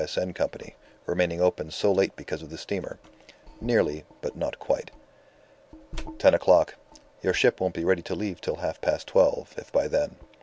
S. N. Company, remaining open so late because of the steamer. Nearly but not quite. "Ten o'clock. Your ship won't be ready to leave till half past twelve, if by then.